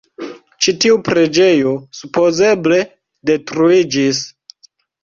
Ĉi tiu preĝejo supozeble detruiĝis.